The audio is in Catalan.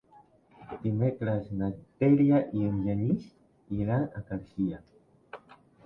Dimecres na Dèlia i en Genís iran a Garcia.